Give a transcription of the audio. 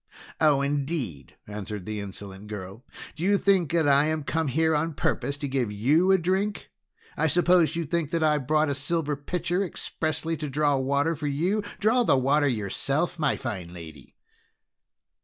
"Oh, indeed!" answered the insolent girl; "do you think that I am come here on purpose to give you a drink? I suppose you think that I have brought a silver pitcher expressly to draw water for you! Draw the water yourself, my fine lady!"